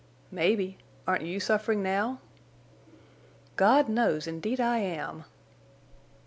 "Maybe. Aren't you suffering now?" "God knows indeed I am!"